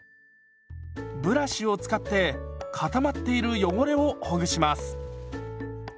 ブラシを使って固まっている汚れをほぐします。